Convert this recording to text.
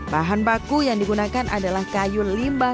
bahan baku yang digunakan adalah kayu limbah